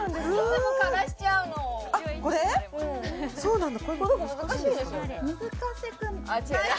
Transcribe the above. そうなんだ